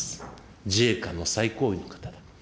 自衛官の最高位の方。